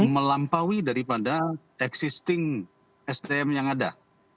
melampaui dari pada existing sdm yang ada